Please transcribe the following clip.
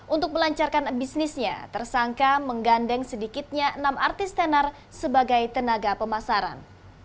untuk melancarkan bisnisnya tersangka menggandeng sedikitnya enam artis tenar sebagai tenaga pemasaran